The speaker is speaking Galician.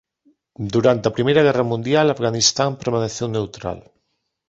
Durante a Primeira Guerra Mundial Afganistán permaneceu neutral.